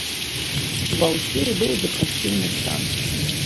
Ва ўсіх быў дэпрэсіўны стан.